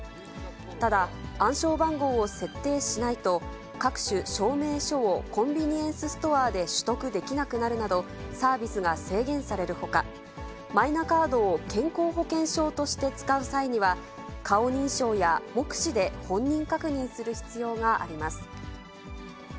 ただ、暗証番号を設定しないと、各種証明書をコンビニエンスストアで取得できなくなるなど、サービスが制限されるほか、マイナカードを健康保険証として使う際には、顔認証や目視で本人確認する必要があります。